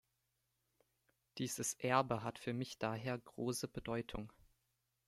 Dieses Erbe hat für mich daher große Bedeutung.